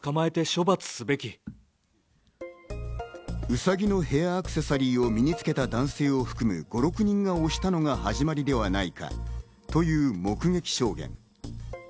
ウサギのヘアアクセサリーを身につけた男性を含む５６人が押したのが始まりではないかという目撃証言。